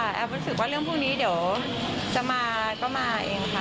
แอฟรู้สึกว่าเรื่องพรุ่งนี้เดี๋ยวจะมาก็มาเองค่ะ